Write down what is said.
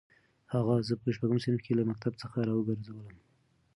اغا زه په شپږم صنف کې له مکتب څخه راوګرځولم.